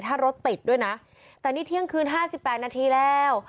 ถ้ารถติดด้วยนะแต่นี่เที่ยงคืน๕๘นาทีแล้ว